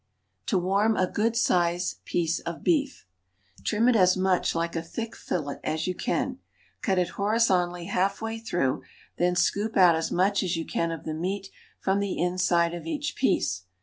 TO WARM A GOOD SIZED PIECE OF BEEF. Trim it as much like a thick fillet as you can; cut it horizontally half way through, then scoop out as much as you can of the meat from the inside of each piece.